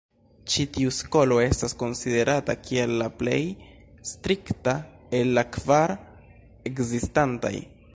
Ĉi tiu skolo estas konsiderata kiel la plej strikta el la kvar ekzistantaj.